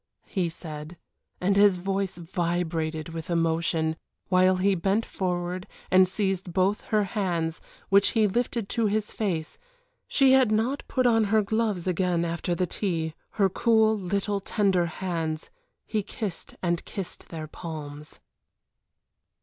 he said, and his voice vibrated with emotion, while he bent forward and seized both her hands, which he lifted to his face she had not put on her gloves again after the tea her cool, little, tender hands! He kissed and kissed their palms.